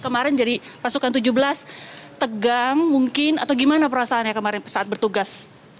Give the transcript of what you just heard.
kemarin jadi pasukan tujuh belas tegang mungkin atau gimana perasaannya kemarin saat bertugas